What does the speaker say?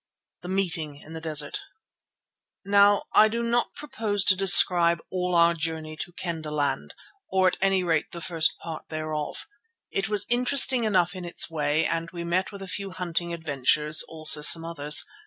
THE MEETING IN THE DESERT Now I do not propose to describe all our journey to Kendahland, or at any rate the first part thereof. It was interesting enough in its way and we met with a few hunting adventures, also some others.